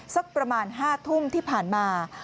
สักประมาณ๕ทุ่มที่ผ่านมา